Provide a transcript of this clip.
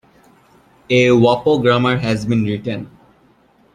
A Wappo grammar has been written.